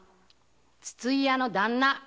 筒井屋の旦那